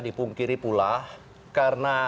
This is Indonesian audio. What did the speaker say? dipungkiri pula karena